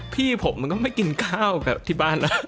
พี่ผมก็ไม่กินข้าวกับที่บ้าน